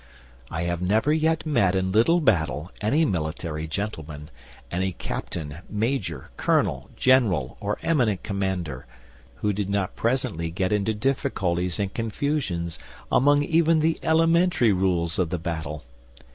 I have never yet met in little battle any military gentleman, any captain, major, colonel, general, or eminent commander, who did not presently get into difficulties and confusions among even the elementary rules of the Battle.